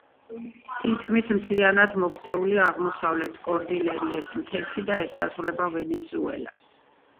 თითქმის მთლიანად მოქცეულია აღმოსავლეთ კორდილიერის მთებში და ესაზღვრება ვენესუელას.